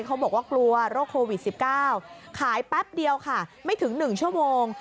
เขาบอกว่ากลัวโรคโควิด๑๙ขายแป๊บเดียวค่ะไม่ถึง๑ชั่วโมง